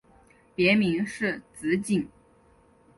别名是直景。